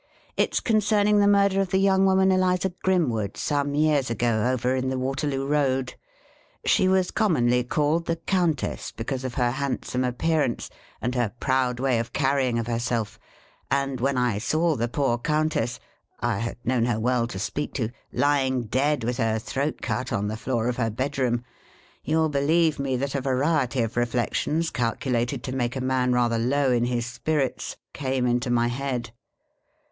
" It 's concerning the murder of the young woman, Eliza Grim wood, some years ago, over in the Waterloo Road. She was commonly called The Countess, because of her handsome appearance and her proud way of carrying of herself ; and when I saw the poor Countess (I had known her well to speak to), lying dead, with her throat cut, on the floor of her bedroom, you '11 believe me that a variety of reflections calculated to make a man rather low in his spirits, came into my head.